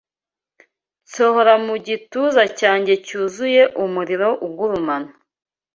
Nsohora mu gituza cyanjye cyuzuye umuriro ugurumana